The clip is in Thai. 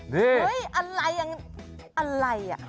นี่อะไรอะไรอ่ะ